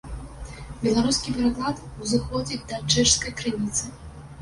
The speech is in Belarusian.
Беларускі пераклад узыходзіць да чэшскай крыніцы.